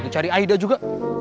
cari aida juga